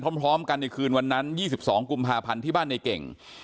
พร้อมกันในคืนวันนั้น๒๒กุมภาพันธ์ที่บ้านในเก่ง